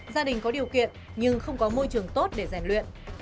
gia đình có điều kiện nhưng không có môi trường tốt để giàn luyện